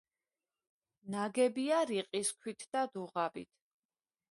ნაგებია რიყის ქვით და დუღაბით.